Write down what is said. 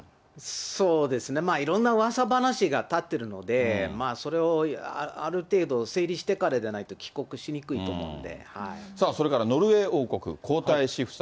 そうですね、いろんなうわさ話が立ってるので、それをある程度整理してからじゃないと帰国しさあ、それからノルウェー王国、皇太子夫妻